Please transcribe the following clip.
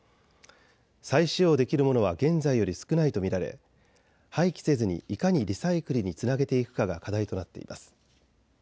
再使用できるものは現在より少ないと見られ廃棄せずにいかにリサイクルにつなげていくかが課題となっています。